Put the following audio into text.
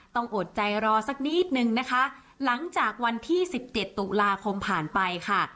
อดใจรอสักนิดนึงนะคะหลังจากวันที่สิบเจ็ดตุลาคมผ่านไปค่ะ